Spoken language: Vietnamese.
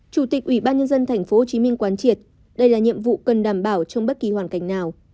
chủ tịch ủy ban nhân dân tp hcm quán triệt đây là nhiệm vụ cần đảm bảo trong bất kỳ hoàn cảnh nào